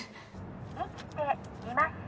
生きています